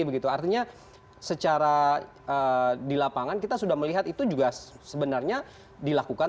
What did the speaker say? begitu artinya secara di lapangan kita sudah melihat itu juga sebenarnya dilakukan